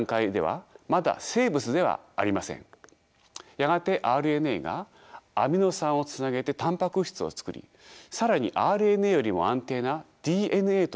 やがてＲＮＡがアミノ酸をつなげてタンパク質を作り更にＲＮＡよりも安定なＤＮＡという物質が加わります。